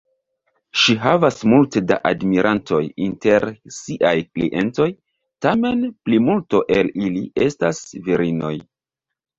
Ŝi havas multe da admirantoj inter siaj klientoj, tamen plimulto el ili estas virinoj.